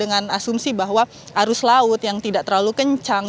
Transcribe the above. dengan asumsi bahwa arus laut yang tidak terlalu kencang